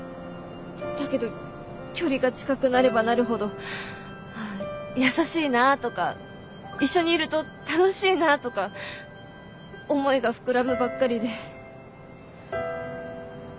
だけど距離が近くなればなるほど優しいなぁとか一緒にいると楽しいなぁとか思いが膨らむばっかりで。